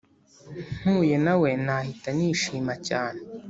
mpuye nawe nahita nishima cyane.